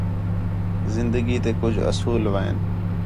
زندگی تے کُج اُصول وین